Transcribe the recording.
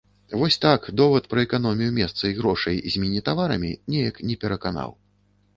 Вось так, довад пра эканомію месца і грошай з міні-таварамі неяк не пераканаў.